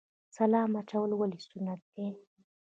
سلام اچول ولې سنت دي؟